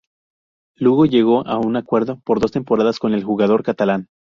Lugo llegó a un acuerdo por dos temporadas con el jugador catalán.